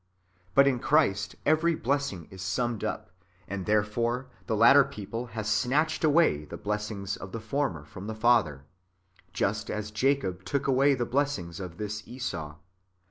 ^ But in Christ every blessing [is summed up], and therefore the latter people has snatched away the blessings of the former from the Father, just as Jacob took away the blessing of this Esau.